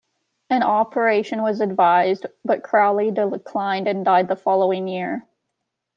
An operation was advised, but Crowley declined and died the following year.